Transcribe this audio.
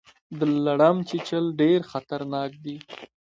د لړم چیچل ډیر خطرناک دي